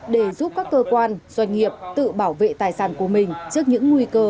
để giúp các cơ quan doanh nghiệp tự bảo vệ tài sản của mình trước những nguy cơ